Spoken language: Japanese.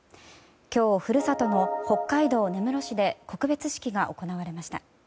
今日、故郷の北海道根室市で告別式が行われました。